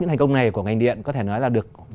những thành công này của ngành điện có thể nói là được